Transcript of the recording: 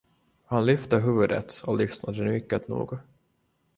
Han lyfte huvudet och lyssnade mycket noga.